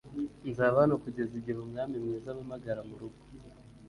nzaba hano 'kugeza igihe umwami mwiza ampamagara murugo